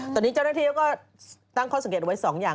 ตอนนี้เจ้าหน้าที่เขาก็ตั้งข้อสังเกตไว้๒อย่าง